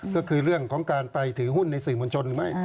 ก็คือเรื่องของการไปถือหุ้นในสื่อมวลชนหรือไม่